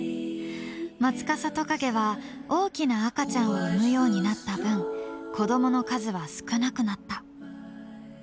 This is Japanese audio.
マツカサトカゲは大きな赤ちゃんを産むようになった分子どもの数は少なくなった。